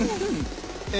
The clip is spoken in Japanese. え。